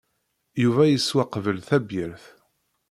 Yuba yeswa qbel tabyirt.